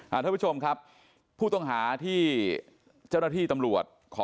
ท่านผู้ชมครับผู้ต้องหาที่เจ้าหน้าที่ตำรวจขอ